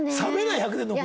１００年の恋。